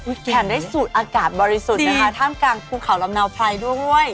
แถมได้สูดอากาศบริสุทธิ์นะคะท่ามกลางภูเขาลำเนาไพรด้วย